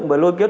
và lôi kéo